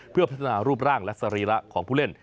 เพื่อพัฒนารูปร่างและสรีระของผู้เล่น